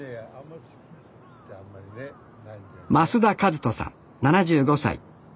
増田和人さん７５歳。